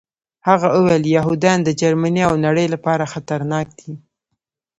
هغه وویل یهودان د جرمني او نړۍ لپاره خطرناک دي